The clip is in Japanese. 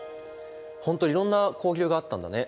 本当いろんな交流があったんだね。